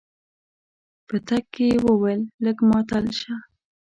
په تګ کې يې وويل لږ ماتل شه.